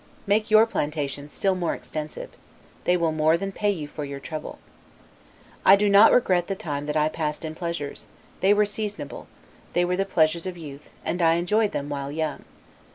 Make your plantations still more extensive; they will more than pay you for your trouble. I do not regret the time that I passed in pleasures; they were seasonable; they were the pleasures of youth, and I enjoyed them while young.